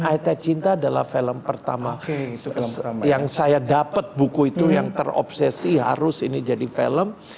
aita cinta adalah film pertama yang saya dapat buku itu yang terobsesi harus ini jadi film